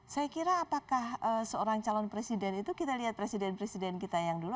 saya kira apakah seorang calon presiden itu kita lihat presiden presiden kita yang dulu